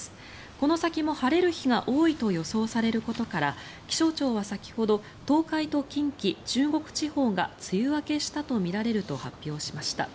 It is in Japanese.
この先も晴れる日が多いと予想されることから気象庁は先ほど東海と近畿中国地方が梅雨明けしたとみられると発表しました。